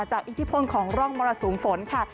อิทธิพลของร่องมรสุมฝนค่ะ